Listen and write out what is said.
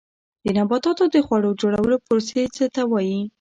د نباتاتو د خواړو جوړولو پروسې ته څه وایي